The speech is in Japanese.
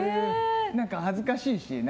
何か恥ずかしいし。